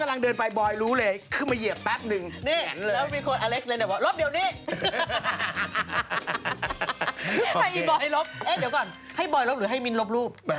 ให้บอยลบเดี๋ยวก่อนให้บอยลบหรือให้มิ้นลบรูป